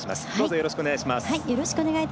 よろしくお願いします。